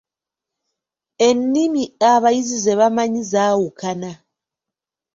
Ennimi abayizi ze bamanyi zaawukana.